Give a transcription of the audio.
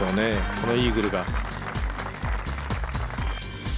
このイーグルが。